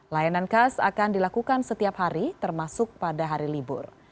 layanan kas akan dilakukan setiap hari termasuk pada hari libur